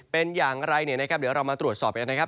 เป็นอย่างไรเนี่ยนะครับเดี๋ยวเรามาตรวจสอบกันนะครับ